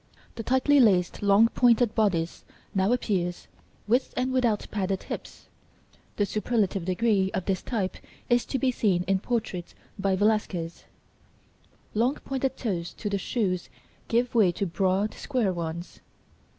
The tightly laced long pointed bodice now appears, with and without padded hips. (The superlative degree of this type is to be seen in portraits by Velasquez (see Plate IX).) Long pointed toes to the shoes give way to broad, square ones.